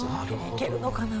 いけるのかな？